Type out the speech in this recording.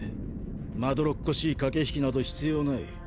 まどろっこしい駆け引きなど必要ない。